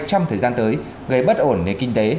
trong thời gian tới gây bất ổn nền kinh tế